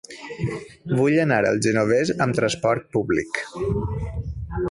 Vull anar al Genovés amb transport públic.